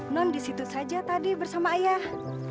non di situ saja tadi bersama ayah